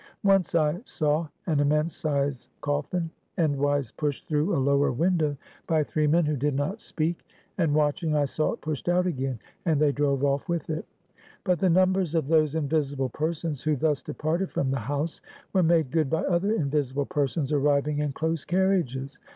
Once, I saw an immense sized coffin, endwise pushed through a lower window by three men who did not speak; and watching, I saw it pushed out again, and they drove off with it. But the numbers of those invisible persons who thus departed from the house, were made good by other invisible persons arriving in close carriages.